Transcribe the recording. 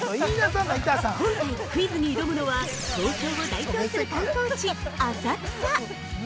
◆今回クイズに挑むのは東京を代表する観光地・浅草。